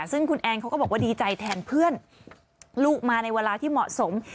ซึ่งคุณแอนเขาก็บอกว่าดีใจแทนเพื่อนลูกมาในเวลาที่เหมาะสม